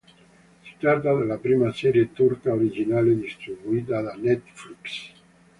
Si tratta della prima serie turca originale distribuita da Netflix.